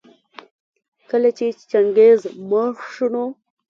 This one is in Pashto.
کله چي چنګېز مړ شو نو